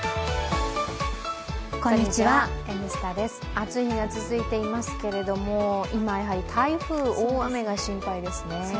暑い日が続いていますけれども今やはり台風、大雨が心配ですね。